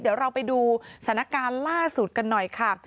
เดี๋ยวเราไปดูสถานการณ์ล่าสุดกันหน่อยค่ะ